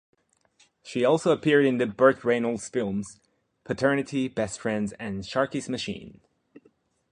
She also appeared in the Burt Reynolds films "Paternity", "Best Friends" and "Sharky's Machine".